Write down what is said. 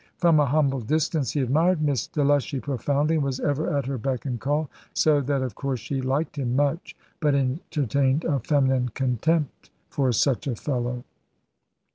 From a humble distance he admired Miss Delushy profoundly, and was ever at her beck and call; so that of course she liked him much, but entertained a feminine contempt for such a fellow.